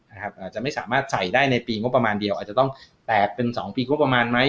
อาจจะไม่สามารถใส่ได้ในปีงบประมาณเดียวอาจจะต้องแตกเป็นสองปีงบประมาณไหม